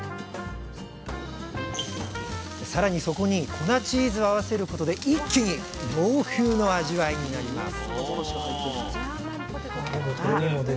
さらにそこに粉チーズを合わせることで一気に洋風の味わいになります